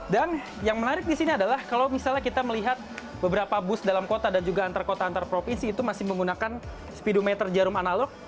dan yang menarik di sini adalah kalau misalnya kita melihat beberapa bus dalam kota dan juga antar kota antar provinsi itu masih menggunakan speedometer jarum analog